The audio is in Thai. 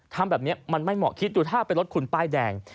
ทำแบบนี้มันไม่เหมาะคิดดูถ้าเป็นรถคุณป้ายแดง